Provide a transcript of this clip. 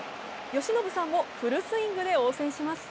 由伸さんもフルスイングで応戦します。